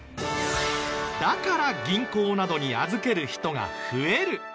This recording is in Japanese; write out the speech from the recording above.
だから銀行などに預ける人が増える。